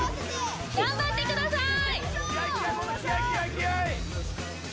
頑張ってください！